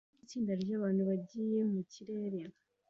itsinda ryabantu bagiye mukirere